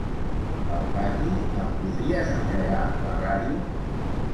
Al pati, em podries engegar la ràdio?